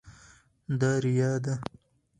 دا ریا ده.